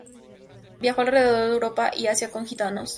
Viajó alrededor de Europa y Asia con los gitanos.